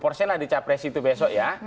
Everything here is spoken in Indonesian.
porselah dicapres itu besok ya